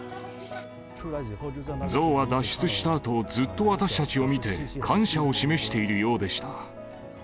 ゾウは脱出したあと、ずっと私たちを見て感謝を示しているようでした。